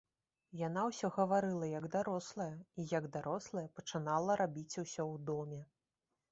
Яна ўсё гаварыла, як дарослая, і, як дарослая, пачынала рабіць усё ў доме.